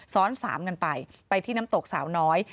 ซ้อนสามกันไปไปที่น้ำตกสาวน้อย